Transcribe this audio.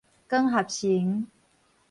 光合成